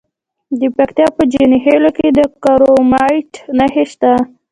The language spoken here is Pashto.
د پکتیا په جاني خیل کې د کرومایټ نښې شته.